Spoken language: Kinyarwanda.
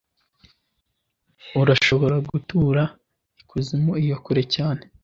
Urashobora gutura ikuzimu iyo kure cyane